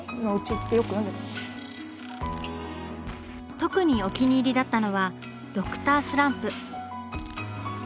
特にお気に入りだったのは「Ｄｒ．スランプ」。